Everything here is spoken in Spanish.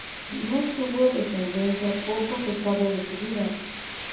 No tuvo descendencia, poco se sabe de su vida.